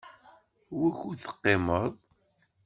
Wukud teqqimeḍ?